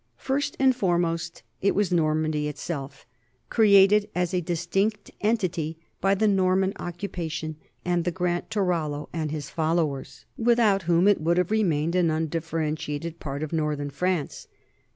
First and foremost, it was Normandy itself, created as a distinct entity by the Norman occupa tion and the grant to Rollo and his followers, without whom it would have remained an undifferentiated part of northern France.